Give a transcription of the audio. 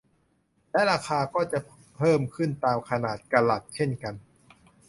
และราคาก็จะเพิ่มขึ้นตามขนาดกะรัตเช่นกัน